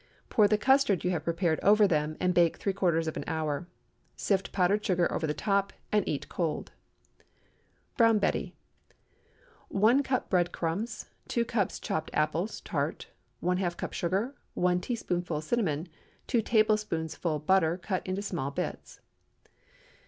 Pour the custard you have prepared over them, and bake three quarters of an hour. Sift powdered sugar over the top, and eat cold. BROWN BETTY. ✠ 1 cup bread crumbs. 2 cups chopped apples—tart. ½ cup sugar. 1 teaspoonful cinnamon. 2 tablespoonfuls butter cut into small bits.